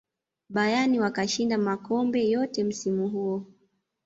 bayern wakashinda makombe yote msimu huo